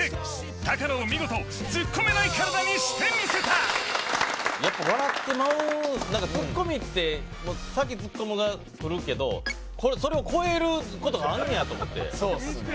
高野を見事ツッコめない体にしてみせた何かツッコミって先ツッコむが来るけどそれを超えることがあんのやと思ってそうっすね